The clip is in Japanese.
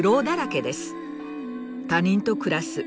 他人と暮らす。